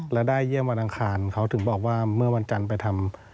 และได้เยี่ยมวันอังคารเขาถึงบอกว่าเมื่อวันจันทร์ไปทำ